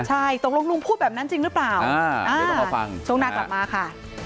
ใช่ตกลงลุงพูดแบบนั้นจริงหรือเปล่าช่วงหน้ากลับมาค่ะ